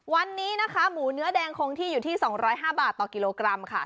วันนี้นะคะหมูเนื้อแดงคงที่อยู่ที่๒๐๕บาทต่อกิโลกรัมค่ะ